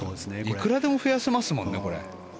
いくらでも増やせますもんね。